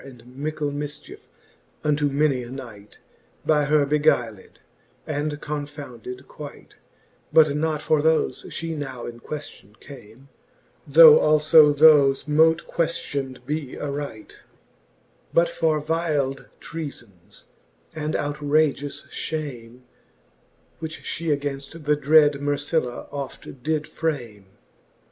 And mickle miichiefe unto many a knight, By her beguyled, and confounded quight: But not for thole Ihe now in quefton came, Though al(b thofe mote queftion'd be aright, But for vyld treafbns, and outrageous fhame, Which fhe againft the dred Mercilla oft did frame.